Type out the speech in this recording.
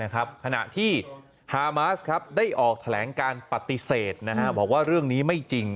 ขณะที่ฮามาสได้ออกแถลงการปฏิเสธบอกว่าเรื่องนี้ไม่จริง